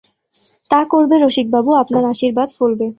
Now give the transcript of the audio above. তা করবে রসিকবাবু, আপনার আশীর্বাদ ফলবে।